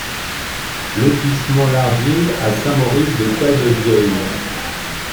Lotissement l'Argile à Saint-Maurice-de-Cazevieille